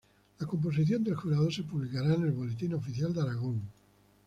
La composición del jurado se publicará en el Boletín Oficial de Aragón.